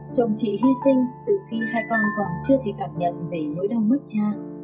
chồng chị hy sinh từ khi hai con còn chưa thể cảm nhận về nỗi đau mất cha